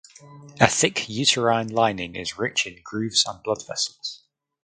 A thick uterine lining is rich in grooves and blood vessels.